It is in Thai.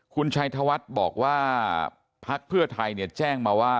คุณชัยธวัฒน์บอกว่าพักเพื่อไทยแจ้งมาว่า